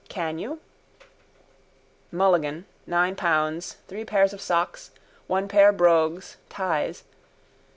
_ Can you? Mulligan, nine pounds, three pairs of socks, one pair brogues, ties.